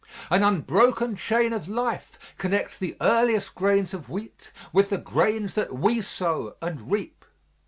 An unbroken chain of life connects the earliest grains of wheat with the grains that we sow and reap.